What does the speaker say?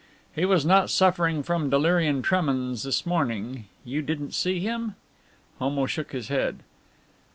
"He was not suffering from delirium tremens this morning. You didn't see him?" Homo shook his head.